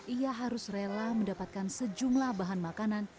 ia harus rela mendapatkan sejumlah bahan makanan